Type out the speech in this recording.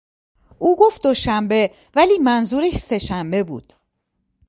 او گفت دوشنبه ولی منظورش سهشنبه بود.